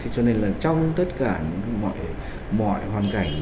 cho nên trong tất cả mọi hoàn cảnh